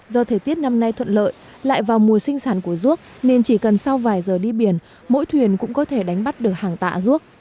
do thời tiết năm nay thuận lợi lại vào mùa sinh sản của ruốc nên chỉ cần sau vài giờ đi biển mỗi thuyền cũng có thể đánh bắt được hàng tạ ruốc